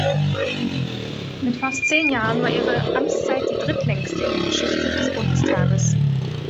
Mit fast zehn Jahren war ihre Amtszeit die drittlängste in der Geschichte des Bundestages.